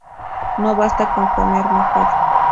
No basta con comer mejor.